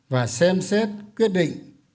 và xem xét quyết định